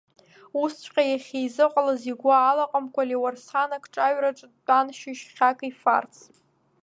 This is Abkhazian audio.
Усҵәҟьа иахьизыҟалаз игәы алаҟамкәа, Леуарсан акҿаҩраҿы дтәан, шьыжьхьак ифарц.